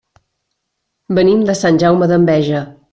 Venim de Sant Jaume d'Enveja.